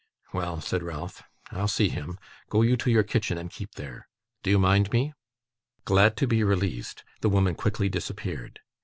'Well,' said Ralph, 'I'll see him. Go you to your kitchen, and keep there. Do you mind me?' Glad to be released, the woman quickly disappeared.